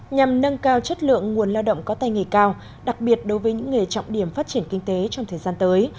nhằm nâng cao chất lượng nguồn lao động có tay nghề cao đặc biệt đối với những nghề trọng điểm phát triển kinh tế trong thời gian tới